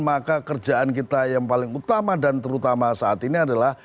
maka kerjaan kita yang paling utama dan terutama saat ini adalah